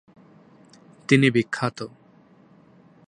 তিনি বিখ্যাত ।